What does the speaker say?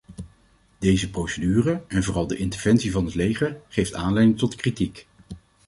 Deze procedure, en vooral de interventie van het leger, geeft aanleiding tot kritiek.